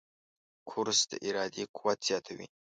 کورس د ارادې قوت زیاتوي.